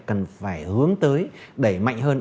cần phải hướng tới đẩy mạnh hơn